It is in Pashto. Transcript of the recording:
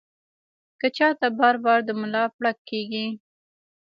کۀ چاته بار بار د ملا پړق کيږي